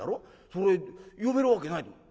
それ呼べるわけないと思う。